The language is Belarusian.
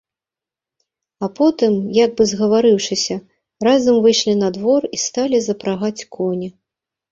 А потым, як бы згаварыўшыся, разам выйшлі на двор і сталі запрагаць коні.